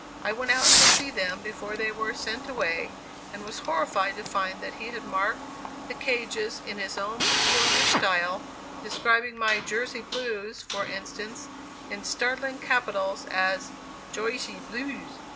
I went out to see them before they were sent away, and was horrified to find that he had marked the cages in his own peculiar style, describing my "Jersey Blues," for instance, in startling capitals as "Gersy Blews."